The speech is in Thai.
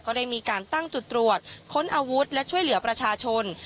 ได้มีการตั้งจุดตรวจค้นอาวุธและช่วยเหลือประชาชน